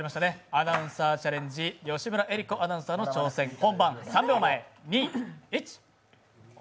アナウンサーチャレンジ、吉村恵里子アナウンサーのチャレンジです。